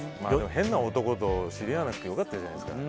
変な男と知り合わなくて良かったじゃないですか。